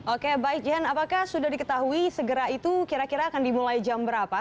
oke baik jan apakah sudah diketahui segera itu kira kira akan dimulai jam berapa